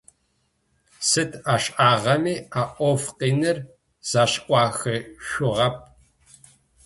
Сыд ашӀагъэми а Ӏоф къиныр зэшӀуахышъугъэп.